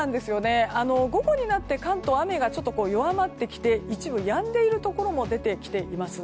午後になって関東は雨が弱まってきて一部、やんでいるところも出てきています。